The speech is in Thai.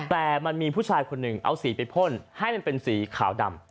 แต่มันมีผู้ชายคนหนึ่งเอาสีไปพ่นให้มันเป็นสีขาวดำ